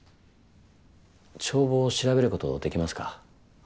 帳簿を調べることできますか？